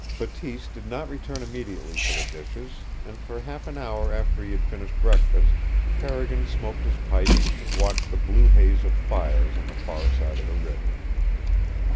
Bateese did not return immediately for the dishes, and for half an hour after he had finished breakfast Carrigan smoked his pipe and watched the blue haze of fires on the far side of the river.